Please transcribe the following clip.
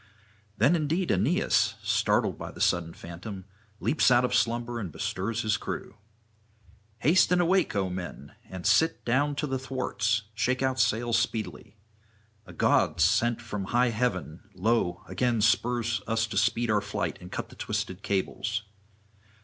[571 603]Then indeed Aeneas, startled by the sudden phantom, leaps out of slumber and bestirs his crew. 'Haste and awake, O men, and sit down to the thwarts; shake out sail speedily. A god sent from high heaven, lo! again spurs us to speed our flight and cut the twisted cables.